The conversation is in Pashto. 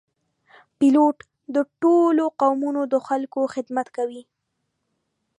پیلوټ د ټولو قومونو د خلکو خدمت کوي.